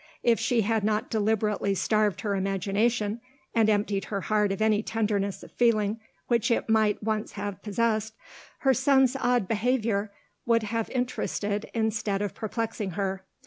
If she had not deliberately starved her imagination, and emptied her heart of any tenderness of feeling which it might once have possessed, her son's odd behaviour would have interested instead of perplexing her.